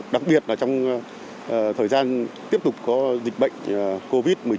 đặc biệt là trong thời gian tiếp tục có dịch bệnh covid một mươi chín